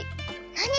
なに？